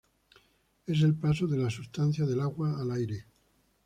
Es el paso de la sustancia del agua al aire.